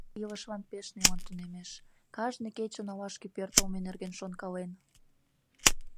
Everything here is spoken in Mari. Турий ял илышлан пеш нелын тунемеш, кажне кечын олашке пӧртылмӧ нерген шонкален.